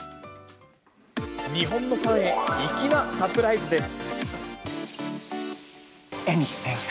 日本のファンへ、粋なサプライズです。